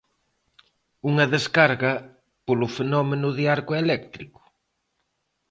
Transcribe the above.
Unha descarga polo fenómeno de arco eléctrico?